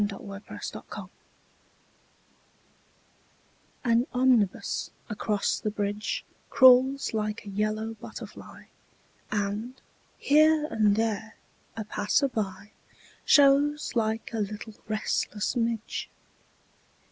SYMPHONY IN YELLOW AN omnibus across the bridge Crawls like a yellow butterfly And, here and there, a passer by Shows like a little restless midge.